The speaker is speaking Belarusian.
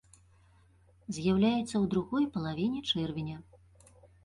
З'яўляецца ў другой палавіне чэрвеня.